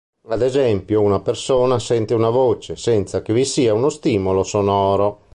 Ad esempio una persona sente una voce, senza che vi sia uno stimolo sonoro.